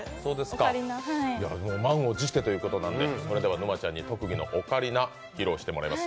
満を持してということなのでそれでは沼ちゃんに得意のオカリナ、披露してもらいます。